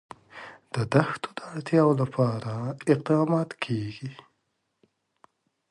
د دښتو د اړتیاوو لپاره اقدامات کېږي.